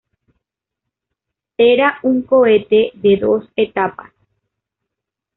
Era un cohete de dos etapas.